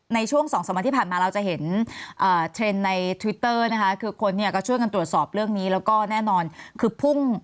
ในช่วง๒๓วันที่ผ่านมาเราจะเห็นเทรนด์ในทวิตเตอร์นะคะคือคนเนี่ยก็ช่วยกันตรวจสอบเรื่องนี้แล้วก็แน่นอนคือพุ่ง